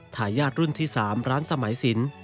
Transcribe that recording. ทายาทรุ่นที่๓ร้านสมัยสิน